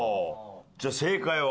じゃあ正解は？